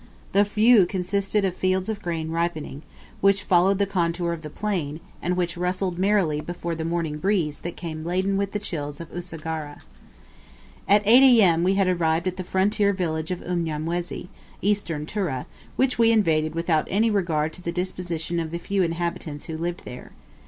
The view consisted of fields of grain ripening, which followed the contour of the plain, and which rustled merrily before the morning breeze that came laden with the chills of Usagara. At 8 A.M. we had arrived at the frontier village of Unyamwezi, Eastern Tura, which we invaded without any regard to the disposition of the few inhabitants who lived there.